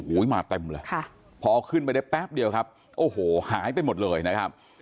โอ้โหมาเต็มเลยค่ะพอขึ้นไปได้แป๊บเดียวครับโอ้โหหายไปหมดเลยนะครับ